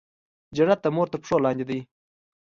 جنت د مور تر پښو لاندې دی